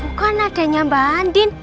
bukain adanya mbak andin